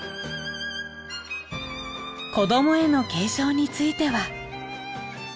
子どもへの継承については。